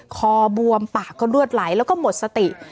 คอบวมปากก็เลือดไหลแล้วก็หมดสติ